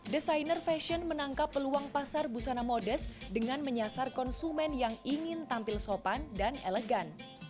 desainer fashion menangkap peluang pasar busana modest dengan menyasar konsumen yang ingin tampil sopan dan elegan